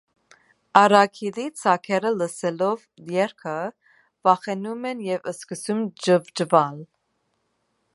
Արագիլի ձագերը լսելով երգը, վախենում են և սկսում ճվճվալ։